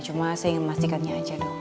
cuma saya ingin memastikannya aja dong